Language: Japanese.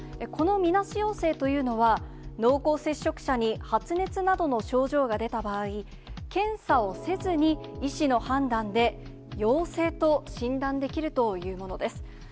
このみなし陽性というのは、濃厚接触者に発熱などの症状が出た場合、検査をせずに医師の判断で陽性と診断できるというものです。